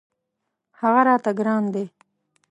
هغه راته ګران دی.